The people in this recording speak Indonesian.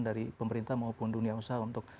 dari pemerintah maupun dunia usaha untuk